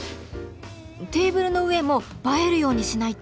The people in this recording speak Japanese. テーブルの上もばえるようにしないと。